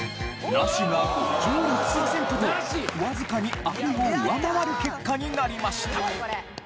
ナシが５６パーセントとわずかにアリを上回る結果になりました。